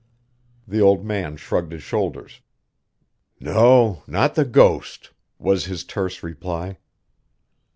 The old man shrugged his shoulders. "No, not the ghost," was his terse reply.